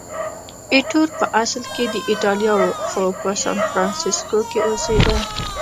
ایټور په اصل کې د ایټالیا و، خو په سانفرانسیسکو کې اوسېده.